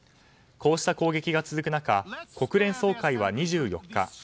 こうした攻撃が続く中国連総会は２４日